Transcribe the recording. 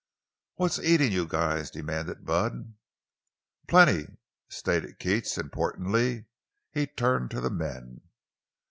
"What's eatin' you guys?" demanded Bud. "Plenty!" stated Keats importantly. He turned to the men.